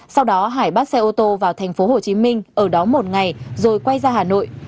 sau đó hải bắt xe ô tô vào tp hcm ở đó một ngày rồi quay ra hà nội